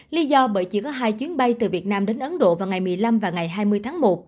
lý do bởi chỉ có hai chuyến bay từ việt nam đến ấn độ vào ngày một mươi năm và ngày hai mươi tháng một